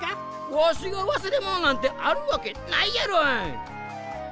わしがわすれものなんてあるわけないやろ！